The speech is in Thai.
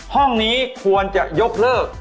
ห้องนี้ควรจะยกเลิก